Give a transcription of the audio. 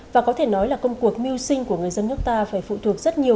và có thể nói là công cuộc mưu sinh của người dân nước ta phải phụ thuộc rất nhiều